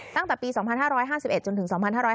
ตั้งแต่ปี๒๕๕๑จนถึง๒๕๕๙